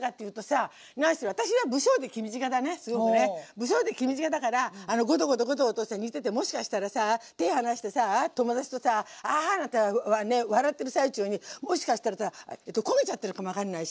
不精で気短だからゴトゴトゴトゴト煮ててもしかしたらさ手離してさ友達とさアハハなんて笑ってる最中にもしかしたらさ焦げちゃってるかも分かんないしさ。